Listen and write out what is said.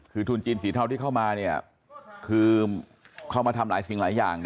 คือทุนจีนสีเทาที่เข้ามาคือเข้ามาทำหลายสิ่งหลายอย่าง